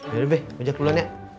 yaudah be ojak pulang yak